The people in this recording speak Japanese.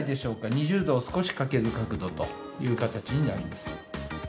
２０度を少し欠ける角度という形になります。